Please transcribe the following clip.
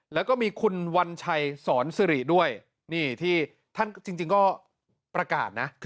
แล้วก็มีคุณวัญชัยสอนสิริด้วยนี่ที่ท่านจริงก็ประกาศนะ